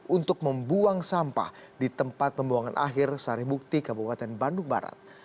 untuk membuang sampah di tempat pembuangan akhir sarimukti kabupaten bandung barat